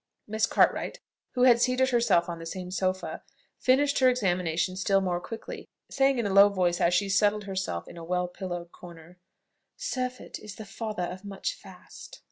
Miss Cartwright, who had seated herself on the same sofa, finished her examination still more quickly, saying in a low voice as she settled herself in a well pillowed corner "Surfeit is the father of much fast."